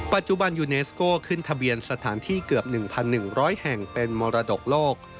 ปัจจุบันยูเนสโก้ขึ้นทะเบียนสถานที่เกือบ๑๑๐๐แห่งเป็นมรดกโลก